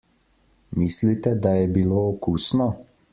Mislite, da je bilo okusno?